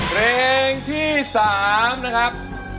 เตรงที่สามนะครับ